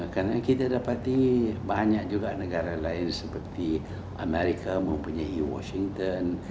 karena kita dapati banyak juga negara lain seperti amerika mempunyai washington